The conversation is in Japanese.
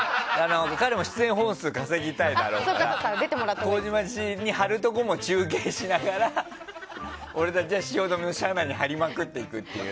彼も出演本数稼ぎたいだろうから麹町に貼るところも中継しながら俺たちは汐留の社内に貼りまくっていくっていう。